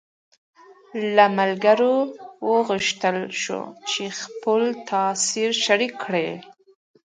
له ملګرو وغوښتل شول چې خپل تاثر شریک کړي.